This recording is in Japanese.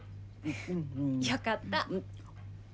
よかった。